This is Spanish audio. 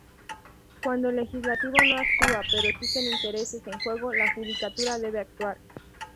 Cuando el Legislativo no actúa, pero existen intereses en juego, la Judicatura debe actuar".